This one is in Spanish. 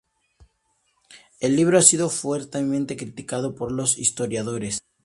El libro ha sido fuertemente criticado por los historiadores.